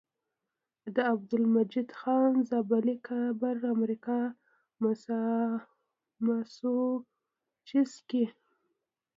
د عبدالمجيد خان زابلي قبر امريکا ماسوچست کي